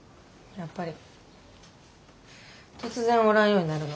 やっぱり。